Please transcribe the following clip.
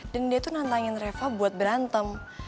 dan dia tuh nantangin reva buat berantem